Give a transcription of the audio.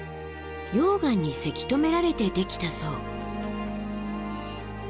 溶岩にせき止められてできたそう。